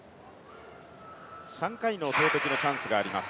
３回の投てきのチャンスがあります。